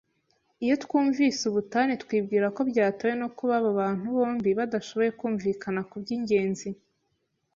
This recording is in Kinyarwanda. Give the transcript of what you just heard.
Iyo twumvise ubutane twibwira ko byatewe no kuba abo bantu bombi badashoboye kumvikana kubyingenzi.